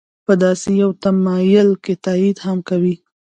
په داسې یو تمایل که تایید هم کوي.